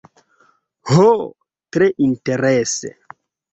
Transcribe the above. Ho, tre interese